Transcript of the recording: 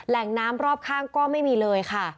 แหล่งน้ำรอบข้างก็ไม่มีเลยค่ะ